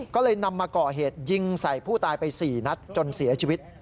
ก็เลยนำมาก่อเหตุยิงใส่ผู้ตายไป๔นัดจนเสียชีวิต